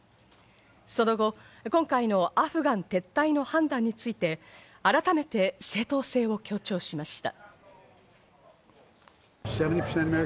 その後、今回のアフガン撤退の判断について改めて正当性を強調しました。